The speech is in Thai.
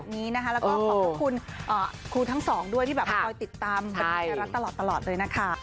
แล้วก็ขอบพระคุณครูทั้งสองด้วยที่แบบคอยติดตามบันเทิงไทยรัฐตลอดเลยนะคะ